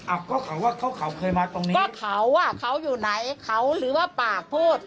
อ่ะก็เขาว่าเขาเขาเคยมาตรงนี้ว่าเขาอ่ะเขาอยู่ไหนเขาหรือว่าปากพูด